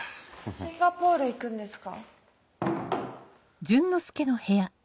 シンガポール行くんですか？